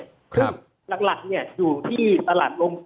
ซึ่งนักหลักอยู่ที่ตลาดรคเธอ